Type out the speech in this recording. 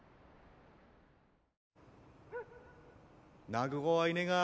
泣く子はいねが。